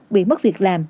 bị mất việc làm